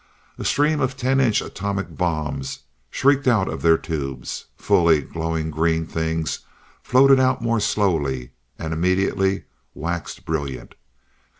A stream of ten inch atomic bombs shrieked out of their tubes, fully glowing green things floated out more slowly, and immediately waxed brilliant.